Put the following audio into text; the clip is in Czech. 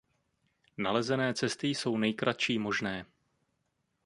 Nalezené cesty jsou nejkratší možné.